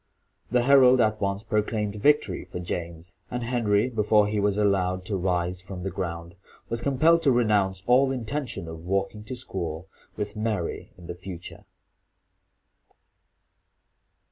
The herald at once proclaimed victory for James; and Henry, before he was allowed to rise from the ground, was compelled to renounce all intention of walking to school with Mary in the future.